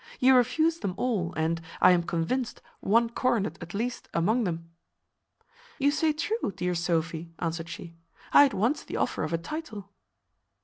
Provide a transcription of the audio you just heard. You refused them all, and, I am convinced, one coronet at least among them." "You say true, dear Sophy," answered she; "I had once the offer of a title."